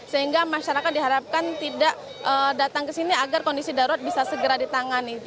sehingga masyarakat diharapkan tidak datang ke sini agar kondisi darurat bisa segera ditangani